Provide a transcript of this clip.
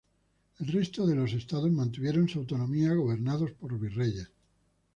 El resto de estados mantuvieron su autonomía gobernados por virreyes.